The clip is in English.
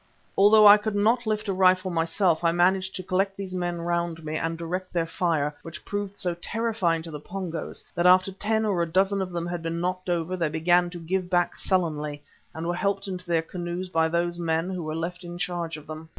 Although I could not lift a rifle myself I managed to collect these men round me and to direct their fire, which proved so terrifying to the Pongos that after ten or a dozen of them had been knocked over, they began to give back sullenly and were helped into their canoes by those men who were left in charge of them.